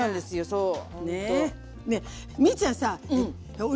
そう。